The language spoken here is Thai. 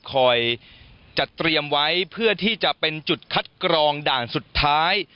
คอยจัดเตรียมไว้เพื่อที่จะเป็นจุดคัดกรองด่านสุดท้าย